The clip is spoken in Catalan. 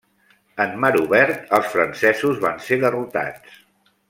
En mar obert, els francesos van ser derrotats.